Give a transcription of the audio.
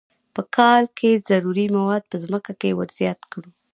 په کال کې ضروري مواد په ځمکه کې ور زیات کړو.